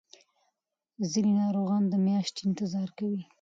ځینې ناروغان میاشتې انتظار کوي.